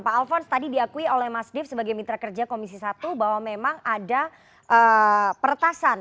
pak alfons tadi diakui oleh mas div sebagai mitra kerja komisi satu bahwa memang ada pertasan